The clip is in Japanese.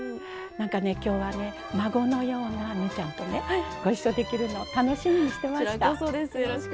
今日は孫のような望結ちゃんとご一緒できるの楽しみにしてました。